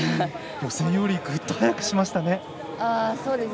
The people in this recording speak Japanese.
予選よりグッと速くしましたね。